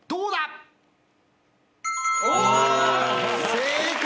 正解！